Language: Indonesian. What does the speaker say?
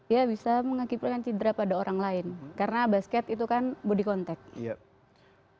ya bisa mengakibatkan cedera pada orang lain karena basket itu kan body contact